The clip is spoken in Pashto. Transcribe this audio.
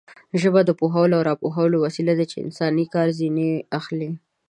ژبه د پوهولو او راپوهولو وسیله ده چې انسانان کار ځنې اخلي.